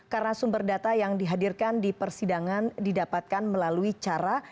karena sumber data yang dihadirkan di persidangan didapatkan melalui cara